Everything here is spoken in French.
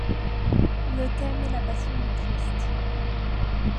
Le thème est la Passion du Christ.